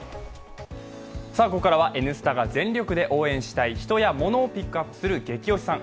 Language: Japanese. ここからは全力で応援したい人やモノをピックアップする「ゲキ推しさん」